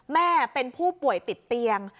แม่เป็นผู้ป่วยติดเตียง